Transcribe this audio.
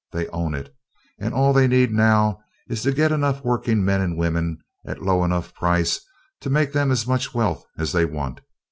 They own it, and all they need now is to get enough working men and women at a low enough price to make them as much wealth as they want.